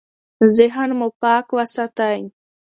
ذهن مو پاک وساتئ.